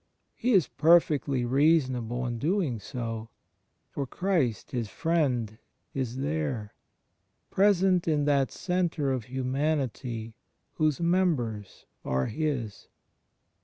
He is perfectly reason able in doing so; for Christ, his Friend, is there, present in that centre of humanity whose members are His.